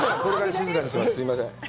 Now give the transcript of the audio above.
すみません。